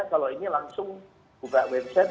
kalau ini langsung buka website